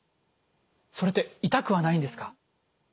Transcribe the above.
それって痛くはないんですか？